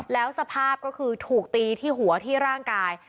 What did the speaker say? แล้วสภาพก็คือถูกตีที่หัวที่ร่างกาย